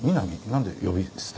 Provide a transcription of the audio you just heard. なんで呼び捨て？